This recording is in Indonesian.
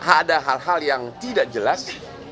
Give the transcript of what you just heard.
ada hal hal yang tidak jelas